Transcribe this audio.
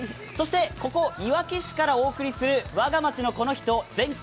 ここ、いわき市からお送りする我が町のこの人、全国